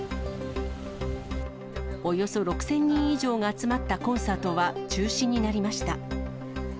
およそ６０００人以上が集まったコンサートは中止になりました。